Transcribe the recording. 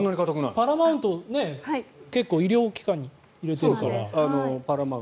パラマウント、結構医療機関に入れているから。